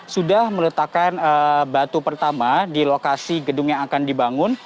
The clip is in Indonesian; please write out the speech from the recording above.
sudah meletakkan batu pertama di lokasi gedung yang akan dibangun